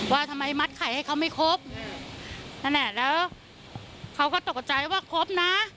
ว่าทำไมมัดไข่ให้เขาไม่ครบนั่นแหละแล้วเขาก็ตกใจว่าครบนะ